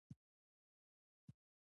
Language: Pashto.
پملا د ادبي څیړنو یو لومړی مرکز دی.